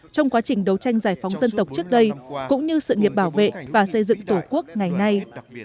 trong quá trình đấu tranh giải phóng dân tộc trước đây cũng như sự nghiệp bảo vệ và xây dựng tổ quốc ngày nay